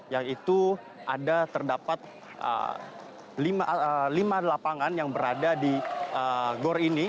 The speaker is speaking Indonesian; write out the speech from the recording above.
yaitu ada terdapat lima lapangan yang berada di gor ini